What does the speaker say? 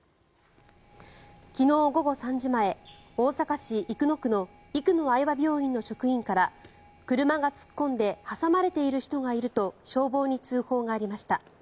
昨日午後３時前大阪市生野区の生野愛和病院の職員から車が突っ込んで挟まれている人がいると消防に通報がありました。